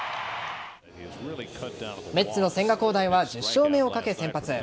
メッツの千賀滉大は１０勝目をかけ先発。